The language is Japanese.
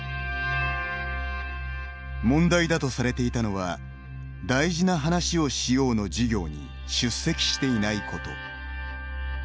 問題だとされていたのは「大事な話をしよう」の授業に出席していないこと。